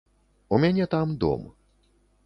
У мяне там дом.